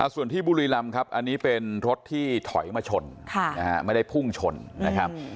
ส่วนที่บุรีรำครับอันนี้เป็นรถที่ถอยมาชนไม่ได้พุ่งชนนะครับ